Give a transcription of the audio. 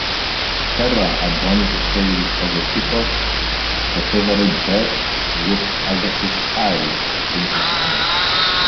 Hera adorned the tail of a peacock-her favorite bird-with Argus's eyes in his honor.